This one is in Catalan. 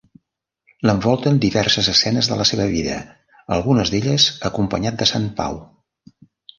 L'envolten diverses escenes de la seva vida, en algunes d'elles acompanyat de Sant Pau.